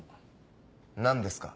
何ですか？